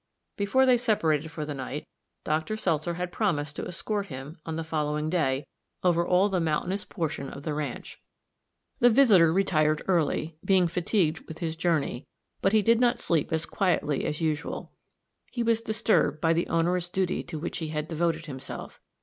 Before they separated for the night, Dr. Seltzer had promised to escort him, on the following day, over all the mountainous portion of the ranch. The visitor retired early, being fatigued with his journey; but he did not sleep as quietly as usual. He was disturbed by the onerous duty to which he had devoted himself.